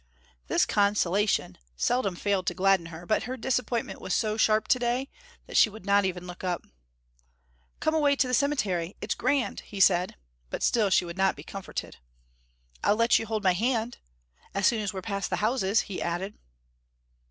This consolation seldom failed to gladden her, but her disappointment was so sharp to day that she would not even look up. "Come away to the cemetery, it's grand," he said; but still she would not be comforted. "And I'll let you hold my hand as soon as we're past the houses," he added.